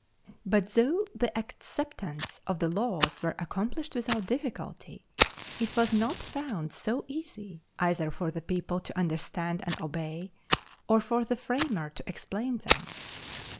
But though the acceptance of the laws was accomplished without difficulty, it was not found so easy either for the people to understand and obey, or for the framer to explain them.